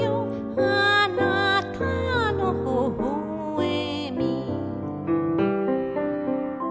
「あなたのほほえみ」